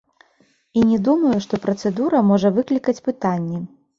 І не думаю, што працэдура можа выклікаць пытанні.